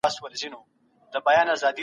ګټوره څېړنه د ټولني اړتیا پوره کوي.